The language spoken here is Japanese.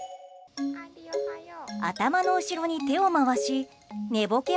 頭の後ろに手を回し寝ぼけ